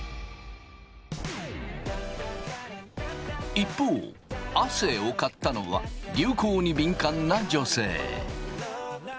一方亜生を買ったのは流行に敏感な女性。